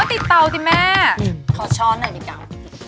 ติดเตาสิแม่ขอช้อนหน่อยดีกว่า